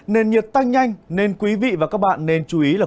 nền nhiệt tăng nhanh nên quý vị và các bạn nên chú ý là